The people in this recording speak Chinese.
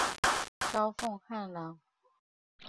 高凤翰人。